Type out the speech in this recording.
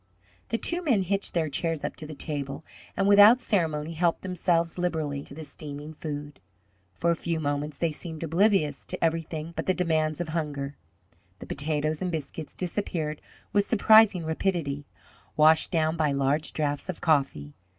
The two men hitched their chairs up to the table, and without ceremony helped themselves liberally to the steaming food. For a few moments they seemed oblivious to everything but the demands of hunger. The potatoes and biscuits disappeared with surprising rapidity, washed down by large drafts of coffee.